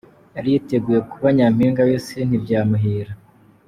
Yari yiteguye kuba Nyampinga w'isi ntibyamuhira.